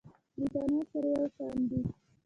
برېتانيا سره یو شان دي.